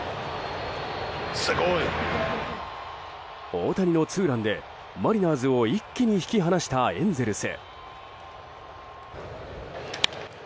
大谷のツーランでマリナーズを一気に引き離したエンゼルス。